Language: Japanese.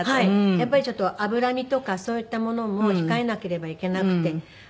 やっぱりちょっと脂身とかそういったものも控えなければいけなくて。